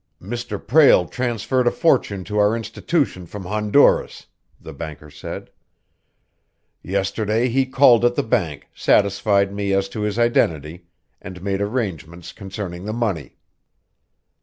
"Mr. Prale transferred a fortune to our institution from Honduras," the banker said. "Yesterday he called at the bank, satisfied me as to his identity, and made arrangements concerning the money."